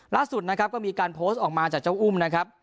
ล่าสุดนะครับก็มีการโพสต์ออกมาจากเจ้าอุ้มนะครับ